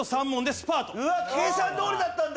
うわっ計算どおりだったんだ！